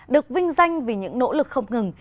được vinh danh vì những nỗ lực không ngừng